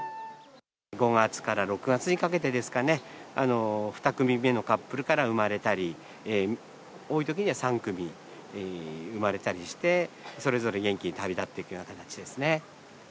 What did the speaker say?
５月から６月にかけてですかね、２組目のカップルから生まれたり、多いときには３組生まれたりして、それぞれ元気に旅立っていくような形ですね。